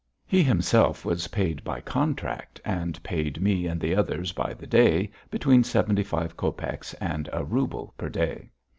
He himself was paid by contract and paid me and the others by the day, between seventy five copecks and a rouble per day.